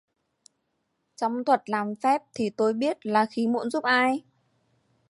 Trong thuật làm phép thì tôi biết là khi muốn giúp ai